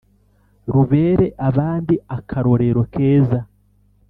Rubere abandi akarorero keza